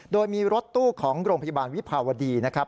โดยมีรถตู้ของโรงพยาบาลวิภาวดีนะครับ